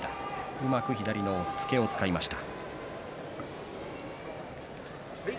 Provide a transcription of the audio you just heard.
うまく左の押っつけを使いました。